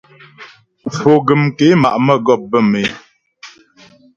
Foguəm ké ma' mə́gɔp bə̌m é.